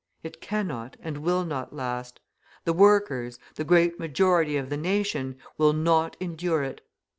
It cannot and will not last. The workers, the great majority of the nation, will not endure it.